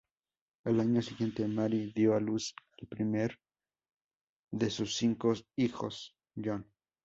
Al año siguiente, Mary dio a luz al primero de sus cinco hijos, John.